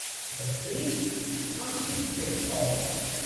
The brigade consisted of